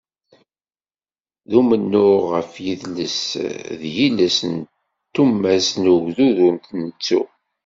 D umennuɣ ɣef yidles d yiles d tumast n ugdud ur ntettu.